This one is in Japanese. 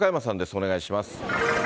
お願いします。